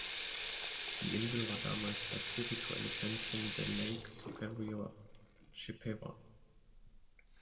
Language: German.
Die Insel war damals das spirituelle Zentrum der Lake Superior Chippewa.